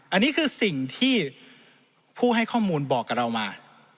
อันนี้คือสิ่งที่ผู้ให้ข้อมูลบอกกับเรามา